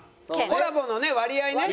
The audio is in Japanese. コラボのね割合ね。